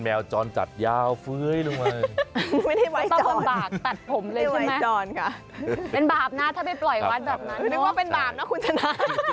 ไม่ว่าเป็นบาปนะคุณชนะ